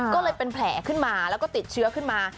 ก็เลยเป็นแผลขึ้นมาแล้วก็ติดเชื้อขึ้นมา